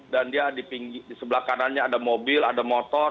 dan di sebelah kanannya ada mobil ada motor